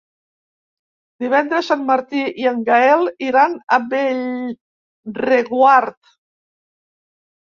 Divendres en Martí i en Gaël iran a Bellreguard.